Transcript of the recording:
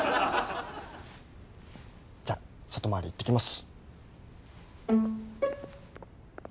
じゃあ外回り行ってきます。